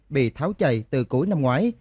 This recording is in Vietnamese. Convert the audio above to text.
bị tháo chạy từ cuối năm ngoái